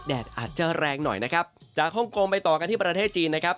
อาจจะแรงหน่อยนะครับจากฮ่องกงไปต่อกันที่ประเทศจีนนะครับ